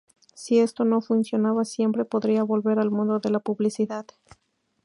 Si esto no funcionaba siempre podría volver al mundo de la publicidad.